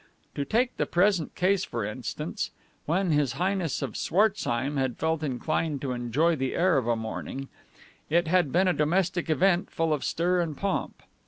To take the present case for instance: When His Highness of Swartzheim had felt inclined to enjoy the air of a morning, it had been a domestic event full of stir and pomp.